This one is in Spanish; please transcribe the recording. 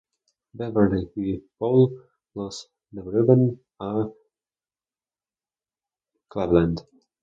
Beverly y Paul los devuelven a Cleveland.